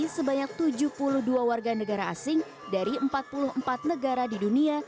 sebanyak tujuh puluh dua warga negara asing dari empat puluh empat negara di dunia